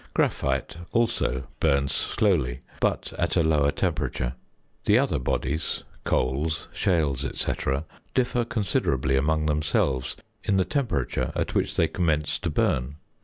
Graphite, also, burns slowly, but at a lower temperature. The other bodies (coals, shales, &c.) differ considerably among themselves in the temperature at which they commence to burn.